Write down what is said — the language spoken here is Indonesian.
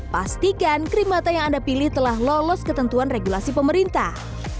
pastikan krim mata yang anda pilih telah lolos ketentuan regulasi pemerintah